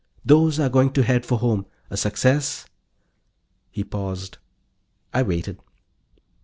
Those are going to head for home. A success " He paused. I waited.